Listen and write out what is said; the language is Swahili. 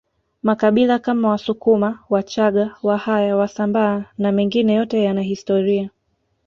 makabila Kama wasukuma wachaga wahaya wasambaa na mengine yote yana historia